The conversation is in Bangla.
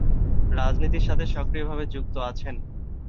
রাজনীতির সাথে সক্রিয় ভাবে যুক্ত আছেন।